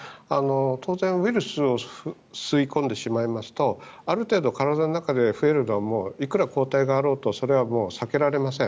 当然、ウイルスを吸い込んでしまいますとある程度、体の中で増えるのはいくら抗体があろうとそれは避けられません。